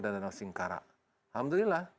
dan danau singkara alhamdulillah